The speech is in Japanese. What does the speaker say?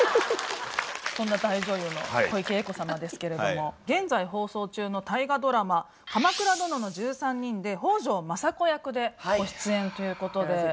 そんな大女優の小池栄子様ですけれども現在放送中の大河ドラマ「鎌倉殿の１３人」で北条政子役でご出演ということで。